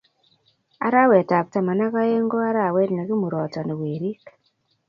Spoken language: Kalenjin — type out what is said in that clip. Arawetab taman ak aeng ko arawet ne kimurotoni werik